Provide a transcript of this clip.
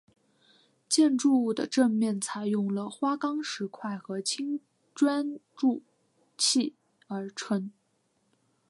建筑物的正面采用了花岗石块和青砖筑砌而成。